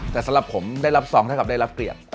แต่สำหรับผมได้รับซองถ้าเขาได้รับเกลียด